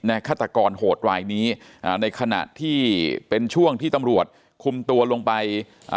ฆาตกรโหดรายนี้อ่าในขณะที่เป็นช่วงที่ตำรวจคุมตัวลงไปอ่า